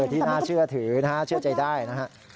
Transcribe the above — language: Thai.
ที่น่าเชื่อถือนะฮะเชื่อใจได้นะฮะ